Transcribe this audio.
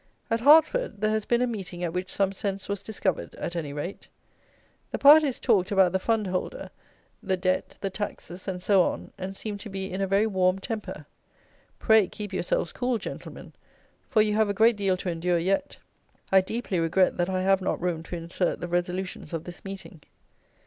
At Hertford there has been a meeting at which some sense was discovered, at any rate. The parties talked about the fund holder, the Debt, the taxes, and so on, and seemed to be in a very warm temper. Pray, keep yourselves cool, gentlemen; for you have a great deal to endure yet. I deeply regret that I have not room to insert the resolutions of this meeting.